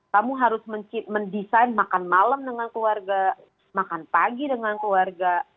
kamu harus mendesain makan malam dengan keluarga makan pagi dengan keluarga